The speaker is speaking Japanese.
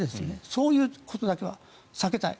そういうことだけは避けたい。